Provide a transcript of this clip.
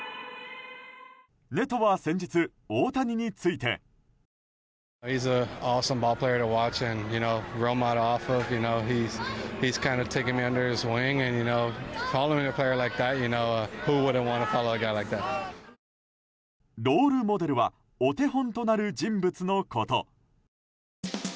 ネトは先日、大谷について。ロールモデルはお手本となる人物のこと。